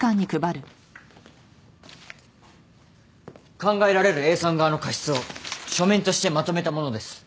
考えられるＡさん側の過失を書面としてまとめたものです。